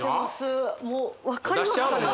もう分かりますかね